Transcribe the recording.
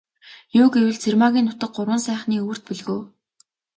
Юу гэвэл, Цэрмаагийн нутаг Гурван сайхны өвөрт бөлгөө.